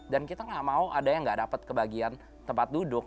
dan kita gak mau ada yang gak dapat kebagian tempat duduk